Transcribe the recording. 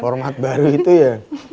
format baru itu ya